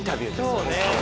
そうね。